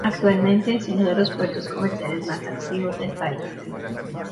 Actualmente es uno de los puertos comerciales más activos del país.